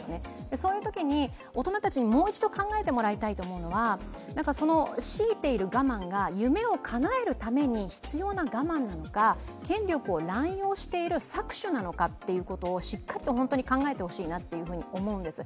そういうときに大人たちにもう一度考えもらいたいのは、強いている我慢が夢をかなえるために必要な我慢なのか、権力を乱用している搾取なのかをしっかりと本当に考えてほしいと思うんですよ